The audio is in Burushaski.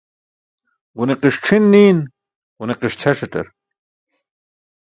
Ġuniqi̇ṣ c̣ʰin niin ġuniqiṣ ćʰaṣatar